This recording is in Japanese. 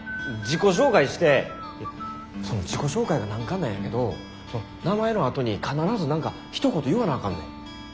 自己紹介してその自己紹介が難関なんやけどその名前のあとに必ず何かひと言言わなあかんねん。